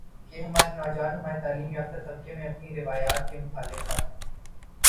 کہ ہمارے نوجوانوں اور ہمارے تعلیم یافتہ طبقہ میں اپنی روایات کی مخالفت